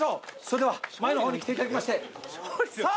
それでは前の方に来ていただきましてさあ